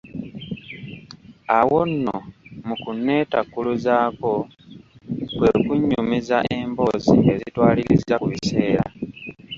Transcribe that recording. Awo nno mu kunnetakkuluzaako kwe kunnyumizanga emboozi ezitwaliriza ku biseera.